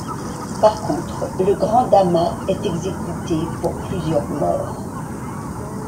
Par contre, le grand Dama est exécuté pour plusieurs morts.